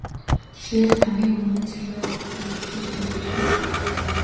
Тэгэхээр, давын өмнө захиа өгөхгүй гэдгийг ч ойлгож байлаа.